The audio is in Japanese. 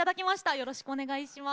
よろしくお願いします。